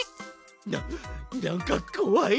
ななんかこわい！